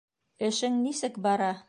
Эшең нисек бара?